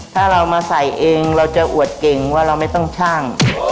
ถ้าเรามาใส่เองเราจะอวดเก่งว่าเราไม่ต้องชั่ง